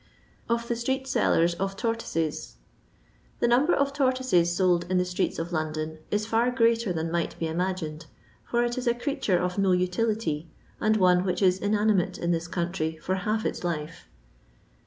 Or THB Steut Sellbr0 ov To&toues. The number of tortoises sold in the streets of London is far greater than might be imagined, for it is a creature of no utility, and one which is inanimate in this country for half its life.